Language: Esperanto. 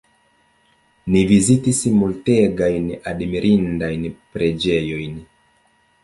Ni vizitis multegajn admirindajn preĝejojn.